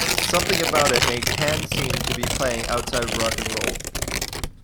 Something about it made Can seem to be playing outside of rock 'n' roll.